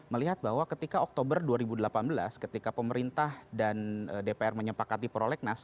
melihat bahwa ketika oktober dua ribu delapan belas ketika pemerintah dan dpr menyepakati prolegnas